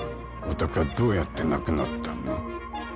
お宅はどうやって亡くなったの？